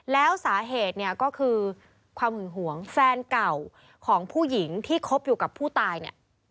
แล้วสาเหตุเนี่ยก็คือความหึงหวงแฟนเก่าของผู้หญิงที่คบอยู่กับผู้ตายเนี่ย